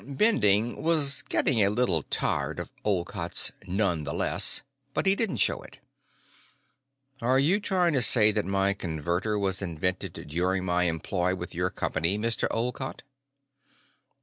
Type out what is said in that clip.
Bending was getting a little tired of Olcott's "none the less," but he didn't show it. "Are you trying to say that my Converter was invented during my employ with your company, Mr. Olcott?"